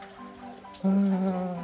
うん。